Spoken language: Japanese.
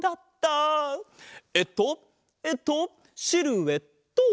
えっとえっとシルエット。